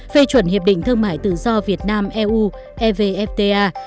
phê chuẩn hiệp định thương mại tự do việt nam eu evfta